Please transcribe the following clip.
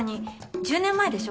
１０年前でしょ